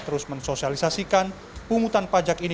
terus mensosialisasikan pungutan pajak ini